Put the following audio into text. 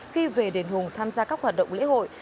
khi về đền hùng tham gia các hoạt động lễ hội